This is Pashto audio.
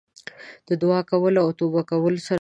د دعا کولو او توبه کولو سره د الله سره خپلې اړیکې ټینګې کړئ.